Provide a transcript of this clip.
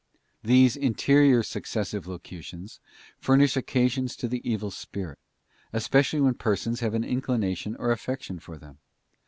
These Interior Successive Locutions furnish occasions to the evil spirit, especially: when persons have an inclination or affection for them.